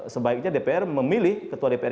sebaiknya dpr memilih ketua dpr